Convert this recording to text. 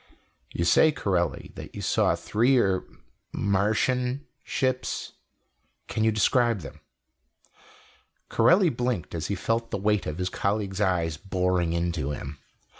"You say, Corelli, that you saw three er, Martian ships. Can you describe them?" Corelli blinked as he felt the weight of his colleagues' eyes boring into him.